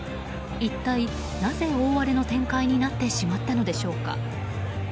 一体なぜ、大荒れの展開になってしまったのでしょうか。